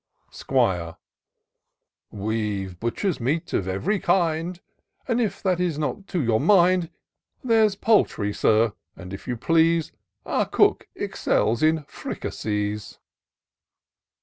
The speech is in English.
'Squire. " We've butcher's meat, of ev'ry kind ; But, if that is not to your mind. There's poultry. Sir; and if you please. Our cook excels in firicassees."